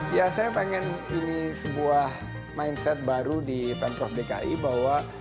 ya saya pengen ini sebuah mindset baru di pemprov dki bahwa